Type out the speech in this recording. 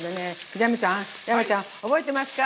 山ちゃん、山ちゃん覚えてますか。